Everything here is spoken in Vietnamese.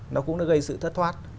nó cũng đã gây sự thất thoát